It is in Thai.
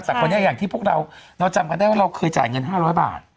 แต่คนนี้อย่างที่พวกเราเราจำกันได้ว่าเราเคยจ่ายเงิน๕๐๐บาท